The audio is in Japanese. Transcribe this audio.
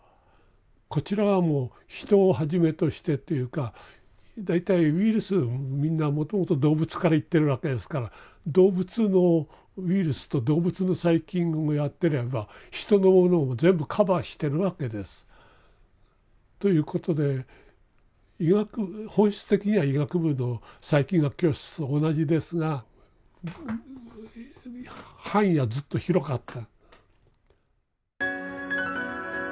こちらはもう人をはじめとしてっていうか大体ウイルスみんなもともと動物からいってるわけですから動物のウイルスと動物の細菌もやってりゃまあ人のものも全部カバーしてるわけです。ということで本質的には医学部の細菌学教室と同じですが範囲はずっと広かった。